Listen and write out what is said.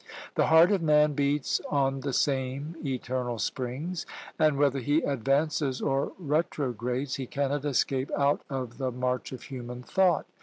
The heart of man beats on the same eternal springs; and whether he advances or retrogrades, he cannot escape out of the march of human thought.